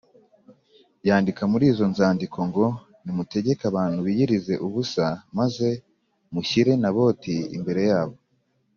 Yandika muri izo nzandiko ngo “Nimutegeke abantu biyirize ubusa maze mushyire Naboti imbere yabo